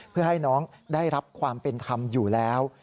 เพื่อให้น้องได้รับความเป็นธรรมอยู่แล้ว